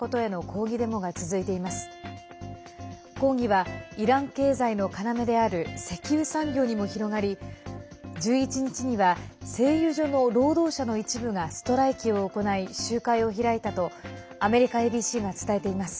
抗議は、イラン経済の要である石油産業にも広がり１１日には、製油所の労働者の一部がストライキを行い集会を開いたとアメリカＡＢＣが伝えています。